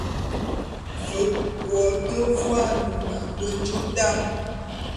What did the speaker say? Ve wo te vuane ma nge jôe dam.